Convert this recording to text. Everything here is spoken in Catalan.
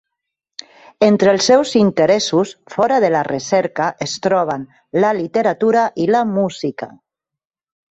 Entre els seus interessos fora de la recerca es troben la literatura i la música.